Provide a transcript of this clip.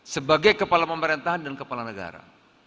sebagai kepala pemerintahan dan kepala negara